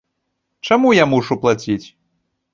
Чаму я мушу плаціць?